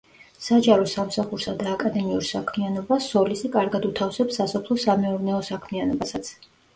საჯარო სამსახურსა და აკადემიურ საქმიანობას სოლისი კარგად უთავსებს სასოფლო-სამეურნეო საქმიანობასაც.